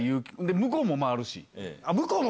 向こうも回るの。